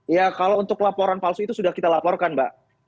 ya kalau untuk laporan palsu itu sudah kita laporkan mbak